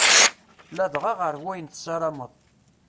Ladɣa ɣer wayen tessarameḍ.